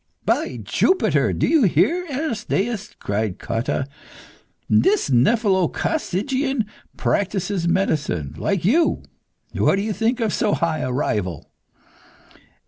"By Jupiter! Do you hear, Aristaeus?" cried Cotta. "This nephelo coccygian practises medicine, like you. What do you think of so high a rival?"